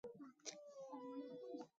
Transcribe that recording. د ژوند لومړني کلونه د خندا لپاره مهم دي.